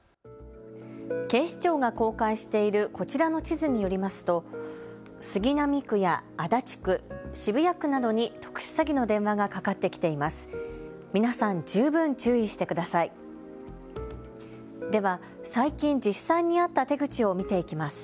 警視庁が公開しているこちらの地図によりますと杉並区や足立区、渋谷区などに特殊詐欺の電話がかかってきています。